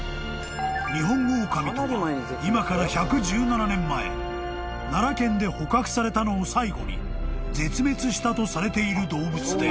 ［今から１１７年前奈良県で捕獲されたのを最後に絶滅したとされている動物で］